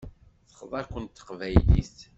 Texḍa-ken teqbaylit.